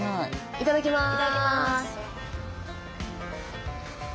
いただきます。